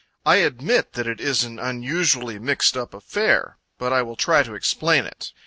I admit that it is an unusually mixed up affair; but I will try to explain it.